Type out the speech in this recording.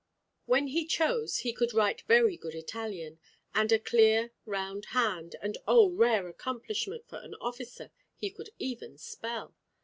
When he chose, he could write very good Italian, and a clear, round hand, and oh, rare accomplishment for an officer, he could even spell.